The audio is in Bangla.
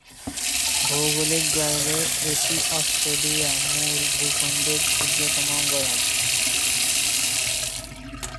ভৌগোলিকভাবে এটি অস্ট্রেলিয়া মূল ভূখণ্ডের ক্ষুদ্রতম অঙ্গরাজ্য।